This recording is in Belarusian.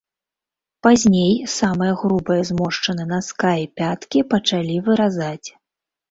Пазней самыя грубыя зморшчыны наска і пяткі пачалі выразаць.